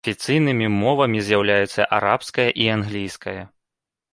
Афіцыйнымі мовамі з'яўляюцца арабская і англійская.